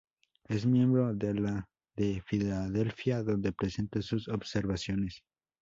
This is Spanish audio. Es miembro de la de Filadelfia donde presenta sus observaciones.